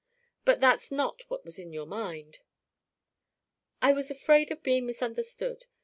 But that's not what was in your mind." "I was afraid of being misunderstood.